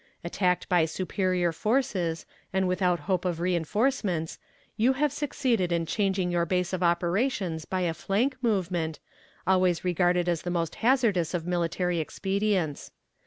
Attacked by superior forces, and without hope of reinforcements, you have succeeded in changing your base of operations by a flank movement, always regarded as the most hazardous of military expedients.